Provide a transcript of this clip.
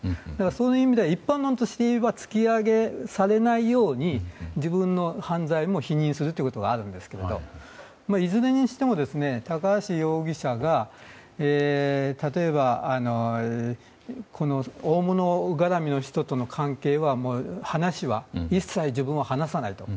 そういう意味で一般論として言えば突き上げされないように自分の犯罪も否認することがあるんですが、いずれにしても高橋容疑者が例えば、大物絡みの人との関係の話は一切、自分は話さないと。